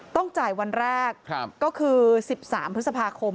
ต้องจ่ายวันแรกก็คือ๑๓พฤษภาคม